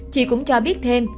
chị cũng cho biết thêm